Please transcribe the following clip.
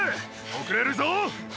遅れるぞ。